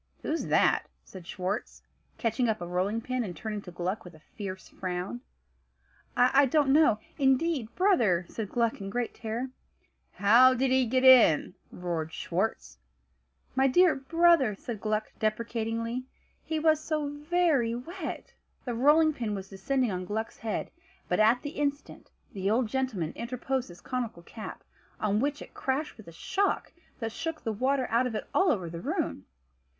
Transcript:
"Who's that?" said Schwartz, catching up a rolling pin, and turning to Gluck with a fierce frown. "I don't know, indeed, brother," said Gluck in great terror. "How did he get in?" roared Schwartz. "My dear brother," said Gluck, deprecatingly, "he was so very wet!" The rolling pin was descending on Gluck's head; but at the instant, the old gentleman interposed his conical cap, on which it crashed with a shock that shook the water out of it all over the room.